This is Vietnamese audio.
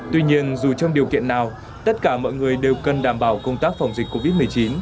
tuy nhiên dù trong điều kiện nào tất cả mọi người đều cần đảm bảo công tác phòng dịch covid một mươi chín